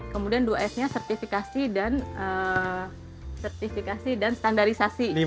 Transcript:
kemudian dua s nya sertifikasi dan standarisasi